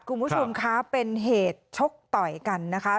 คุณผู้ชมคะเป็นเหตุชกต่อยกันนะคะ